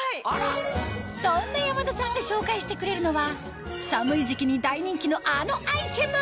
そんな山田さんが紹介してくれるのは寒い時期に大人気のあのアイテム